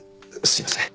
すいません。